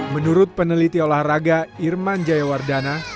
menurut peneliti olahraga irman jayawardana